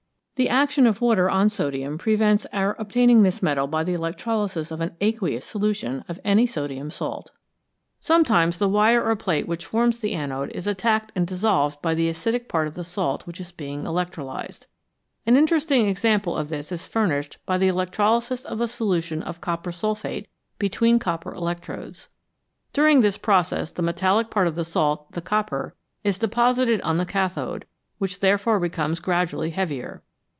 The action of water on sodium prevents our obtaining this metal by the electrolysis of an aqueous solution of any sodium salt. Sometimes the wire or plate which forms the anode is attacked and dissolved by the acidic part of the salt which is being electrolysed. An interesting example of this is furnished by the electrolysis of a solution of copper sulphate between copper electrodes. During this process the metallic part of the salt, the copper, is deposited on the cathode, which therefore becomes gradually heavier.